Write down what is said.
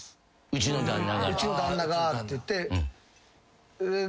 「うちの旦那が」って言って。